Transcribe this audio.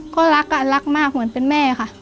ก็รักอะรักมากเหมือนเป็นแม่ค่ะ